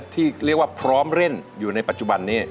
ที่เรียกว่าพร้อมเล่นอยู่ในปัจจุบันนี้